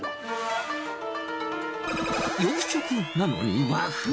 洋食なのに和風？